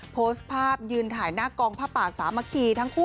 โพสต์ภาพยืนถ่ายหน้ากองผ้าป่าสามัคคีทั้งคู่